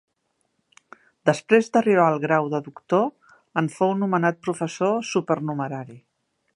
Després d'arribar al grau de doctor, en fou nomenat professor supernumerari.